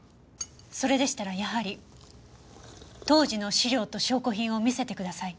それでしたらやはり当時の資料と証拠品を見せてください。